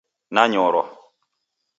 Nanyorwa